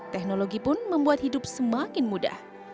teknologi pun membuat hidup semakin mudah